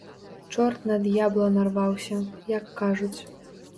Чорт на д'ябла нарваўся, як кажуць.